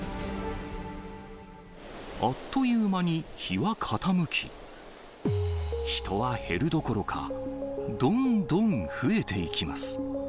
あっという間に日は傾き、人は減るどころか、どんどん増えていきます。